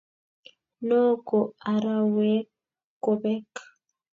noo ko araweekobek